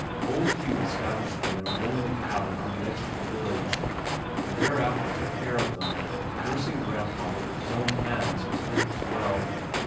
Old Hugh established them in a lonely cabin on the edge of the village, and thereafter took care of them, nursing grandfather with his own hands until he was well.